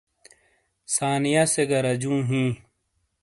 ثانیہ سے گہ رجوں ہی۔